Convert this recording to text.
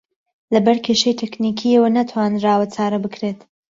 لەبەر کێشەی تەکنیکییەوە نەتوانراوە چارە بکرێت